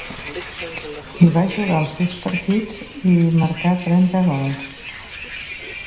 Hi va jugar els sis partits, i hi marcà trenta gols.